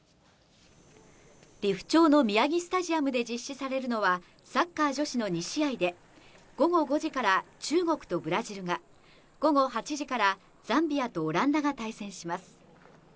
利府町の宮城スタジアムで実施されるのは、サッカー女子の２試合で、午後５時から中国とブラジルが、午後８時からザンビアとオランダが対戦します。